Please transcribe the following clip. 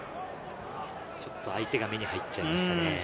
ちょっと相手が目に入っちゃいましたね。